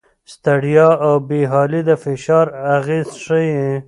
ستړیا او بې حالي د فشار اغېز ښيي.